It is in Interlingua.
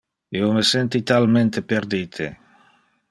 Io me senti talmente perdite